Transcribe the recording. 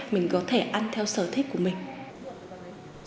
mình có thể ăn theo sở thích của mình